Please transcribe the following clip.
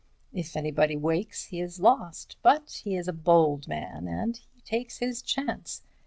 If anybody wakes, he is lost, but he is a bold man, and he takes his chance.